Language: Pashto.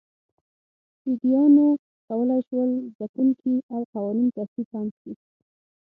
ویګیانو کولای شول ځپونکي او قوانین تصویب هم کړي.